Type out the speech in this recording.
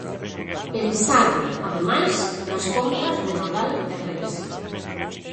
Pensado, ademais, nas compras de Nadal e Reis.